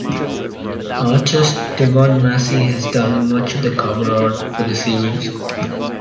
Artist Devon Massey has done much of the cover-art for the series.